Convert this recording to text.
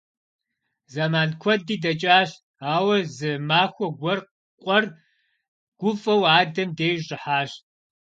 Зэман куэди дэкӀащ, ауэ зы махуэ гуэр къуэр гуфӀэу адэм деж щӀыхьащ.